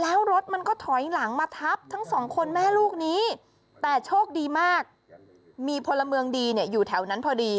แล้วรถมันก็ถอยหลังมาทับทั้งสองคนแม่ลูกนี้แต่โชคดีมากมีพลเมืองดีเนี่ยอยู่แถวนั้นพอดี